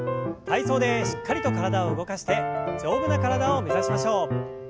体操でしっかりと体を動かして丈夫な体を目指しましょう。